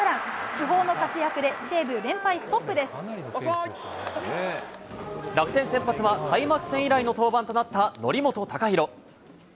主砲の活躍で、西武、連敗ストッ楽天、先発は開幕戦以来の登板となった則本昂大。